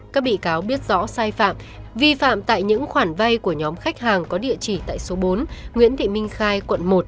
các bị cáo biết rõ sai phạm vi phạm tại những khoản vay của nhóm khách hàng có địa chỉ tại số bốn nguyễn thị minh khai quận một